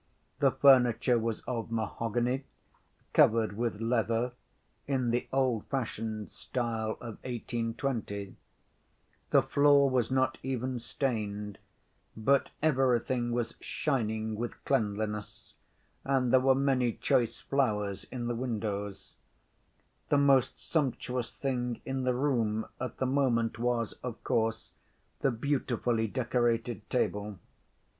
The furniture was of mahogany, covered with leather, in the old‐fashioned style of 1820; the floor was not even stained, but everything was shining with cleanliness, and there were many choice flowers in the windows; the most sumptuous thing in the room at the moment was, of course, the beautifully decorated table.